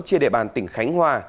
trên đề bàn tỉnh khánh hòa